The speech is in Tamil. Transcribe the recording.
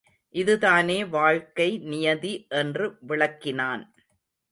இதுதானே வாழ்க்கை நியதி என்று விளக்கினான்.